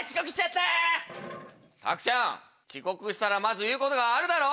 たくちゃん！遅刻したらまず言うことがあるだろ！